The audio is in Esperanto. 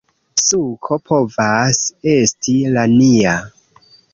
Suko povas esti la nia